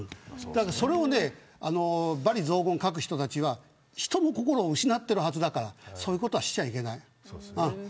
だから罵詈雑言を書く人たちは人の心を失っているはずだからそういうことはしちゃいけない。